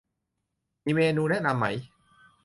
มีเมนูแนะนำไหม